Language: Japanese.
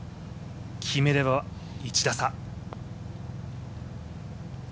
決めれば１打差。